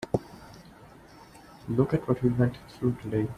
Look at what we went through today.